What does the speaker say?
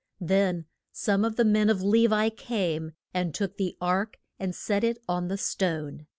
Then some of the men of Le vi came and took the ark and set it on the stone.